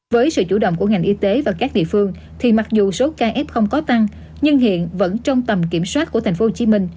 với sự chủ động của ngành y tế và các địa phương thì mặc dù số ca f có tăng nhưng hiện vẫn trong tầm kiểm soát của tp hcm